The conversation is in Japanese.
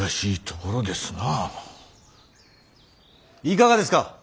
いかがですか。